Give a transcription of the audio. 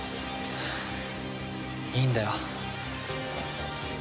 いいんだよ。